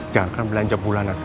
jangan kan belanja bulanan